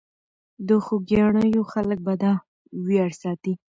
د خوګیاڼیو خلک به دا ویاړ ساتي.